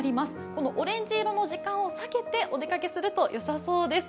このオレンジ色の時間を避けてお出かけするとよさそうです。